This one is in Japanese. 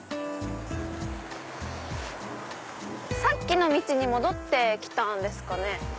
さっきの道に戻ってきたんですかね。